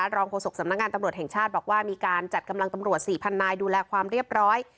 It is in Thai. โฆษกสำนักงานตำรวจแห่งชาติบอกว่ามีการจัดกำลังตำรวจ๔๐๐นายดูแลความเรียบร้อย